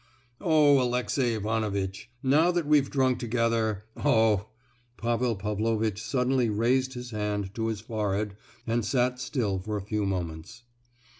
"Oh, Alexey Ivanovitch! now that we've drunk together—oh!" Pavel Pavlovitch suddenly raised his hand to his forehead and sat still for a few moments.